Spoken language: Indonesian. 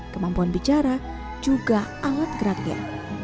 kemampuan bicara juga alat geraknya